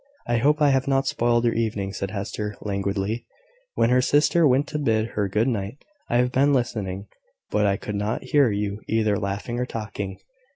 "I hope I have not spoiled your evening," said Hester, languidly, when her sister went to bid her good night. "I have been listening; but I could not hear you either laughing or talking."